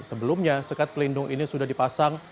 sebelumnya sekat pelindung ini sudah dipasang